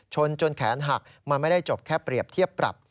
จนแขนหักมันไม่ได้จบแค่เปรียบเทียบปรับ